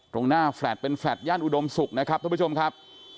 ตรงหน้าแฟลตเป็นแฟลต์ย่านอุดมศุกร์นะครับท่านผู้ชมครับ